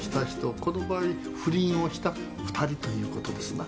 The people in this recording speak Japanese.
この場合不倫をした二人ということですな。